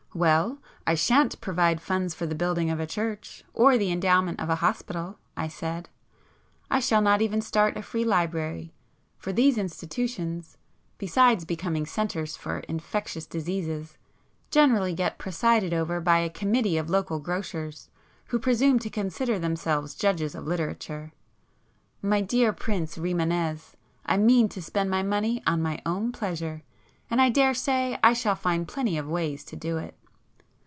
"Well, I shan't provide funds for the building of a church, or the endowment of a hospital,"—I said—"I shall not even start a Free Library, for these institutions, besides becoming centres for infectious diseases, generally get presided over by a committee of local grocers who presume to consider themselves judges of literature. My dear Prince Rimânez, I mean to spend my money on my own pleasure, and I daresay I shall find plenty of ways to do it."